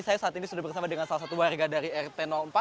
saya saat ini sudah bersama dengan salah satu warga dari rt empat